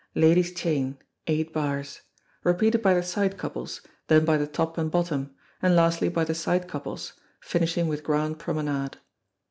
Ladies' chain, eight bars. Repeated by the side couples, then by the top and bottom, and lastly by the side couples, finishing with grand promenade.